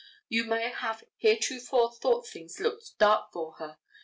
You may have heretofore thought things looked dark for her.